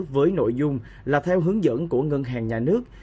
với nội dung là theo hướng dẫn của ngân hàng nhà nước